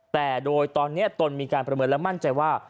แต่โดยตอนนี้ตนมีการประเมินและมั่นใจว่า